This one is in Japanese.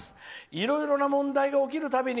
いろいろな問題が起きるたびに